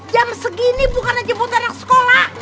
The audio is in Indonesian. jam segini bukan aja buat anak sekolah